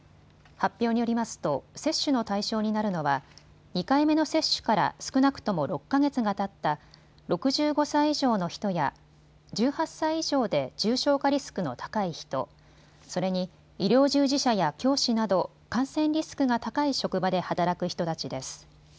発表によりますと接種の対象になるのは２回目の接種から少なくとも６か月がたった６５歳以上の人や１８歳以上で重症化リスクの高い人、それに医療従事者や教師など感染リスクが高い職場で働く人たちです。